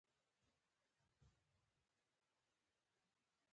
د سند درې تمدن ناڅاپه له منځه لاړ.